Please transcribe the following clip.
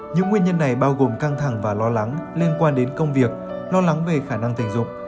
những nguyên nhân này bao gồm căng thẳng và lo lắng liên quan đến công việc lo lắng về khả năng tình dục